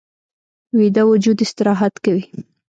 ویده وجود استراحت کوي